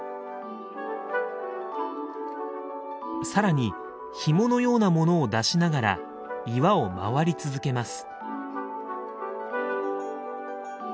更にひものようなものを出しながら岩を回り続けます。